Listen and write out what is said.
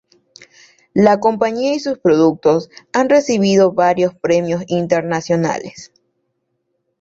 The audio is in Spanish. La compañía y sus productos han recibido varios premios internacionales